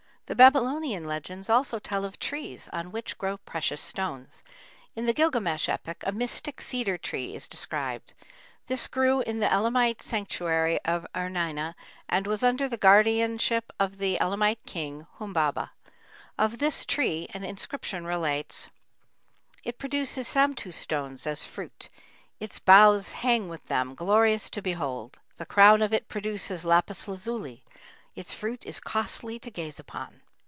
The Babylonian legends also tell of trees on which grow precious stones. In the Gilgamesh epic a mystic cedar tree is described. This grew in the Elamite sanctuary of Irnina and was under the guardianship of the Elamite king Humbaba. Of this tree an inscription relates: It produces samtu stones as fruit; Its boughs hang with them, glorious to behold; The crown of it produces lapis lazuli; Its fruit is costly to gaze upon.